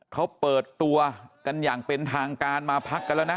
เขาเปิดตัวกันอย่างเป็นทางการมาพักกันแล้วนะ